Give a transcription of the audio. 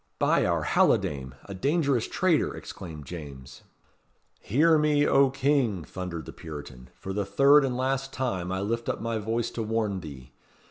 "By our halidame! a dangerous traitor!" exclaimed James. "Hear me, O King!" thundered the Puritan. "For the third and last time I lift up my voice to warn thee.